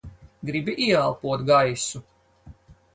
Gribi ieelpot gaisu?